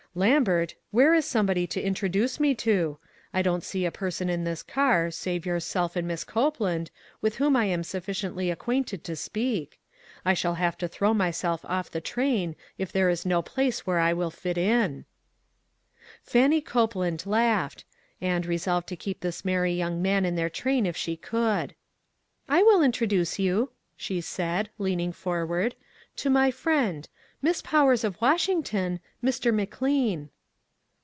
"Lambert, where is somebody to intro duce me to ? I don't see a person in this car, save yourself and Miss Copeland, with whom I am sufficiently acquainted to speak. I shall have to throw myself off the train if there is no place where I will fit in." THINGS HARD TO EXPLAIN. /I Fannie Copeland laughed, and resolved to keep this merry young man in their train if she could. " I will introduce you," she said, leaning forward, " to my friend, Miss Powers, of Washington, Mr. McLean."